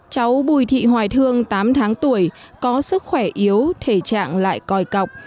cháu bùi thị hoài thương tám tháng tuổi có sức khỏe yếu thể trạng lại còi cọc